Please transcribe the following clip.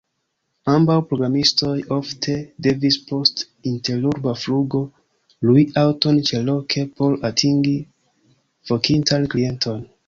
Ambaŭ programistoj ofte devis post interurba flugo lui aŭton ĉeloke por atingi vokintan klienton.